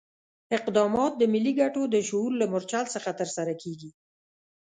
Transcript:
اقدامات د ملي ګټو د شعور له مورچل څخه ترسره کېږي.